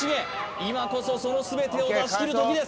今こそその全てを出し切る時です